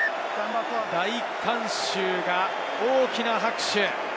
大観衆が大きな拍手。